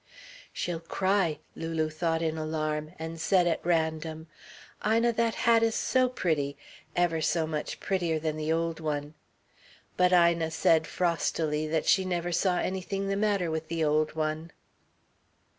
"She'll cry," Lulu thought in alarm, and said at random: "Ina, that hat is so pretty ever so much prettier than the old one." But Ina said frostily that she never saw anything the matter with the old one.